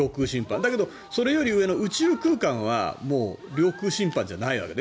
だけどそれより上の宇宙空間はもう領空侵犯じゃないわけね。